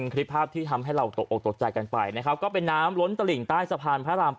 คลิปภาพที่ทำให้เราตกออกตกใจกันไปนะครับก็เป็นน้ำล้นตลิ่งใต้สะพานพระราม